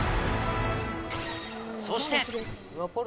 そして。